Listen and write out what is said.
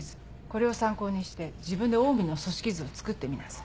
これを参考にして自分でオウミの組織図を作ってみなさい。